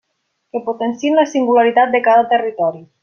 Que potenciïn la singularitat de cada territori.